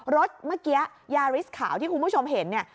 รถเมื่อกี้ยาริสขาวที่คุณผู้ชมเห็นเนี่ย